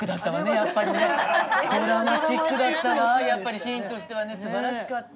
いやあれはシーンとしてはすばらしかった。